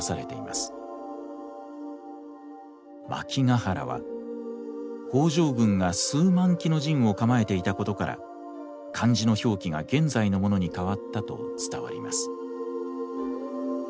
万騎が原は北条軍が数万騎の陣を構えていたことから漢字の表記が現在のものに変わったと伝わります。